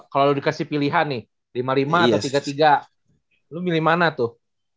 kalau lo dikasih pilihan nih lima puluh lima atau tiga puluh tiga lo milih mana tuh